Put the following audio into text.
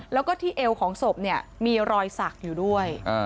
แล้วก็ที่เอวของศพเนี่ยมีรอยสักอยู่ด้วย